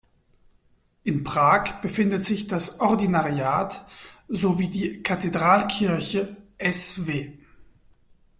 In Prag befindet sich das Ordinariat sowie die Kathedralkirche "sv.